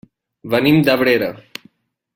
Venim d'Abrera.